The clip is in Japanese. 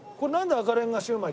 赤レンガシウマイ。